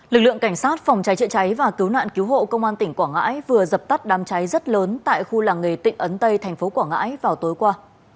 lực lượng cảnh sát phòng trái trị trái và cứu nạn cứu hộ công an tỉnh quảng ngãi vừa dập tắt đám trái rất lớn tại khu làng nghề tịnh ấn tây thành phố quảng ngãi vào tối qua